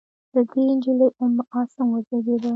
له دې نجلۍ ام عاصم وزېږېده.